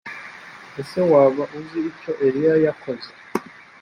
ese waba uzi icyo eliya yakoze.